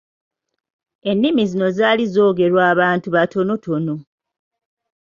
Ennimi zino zaali zoogerwa abantu batonotono.